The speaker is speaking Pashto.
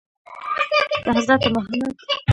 د حضرت محمد نه مني.